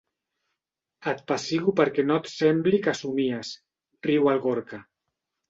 Et pessigo perquè no et sembli que somies —riu el Gorka—.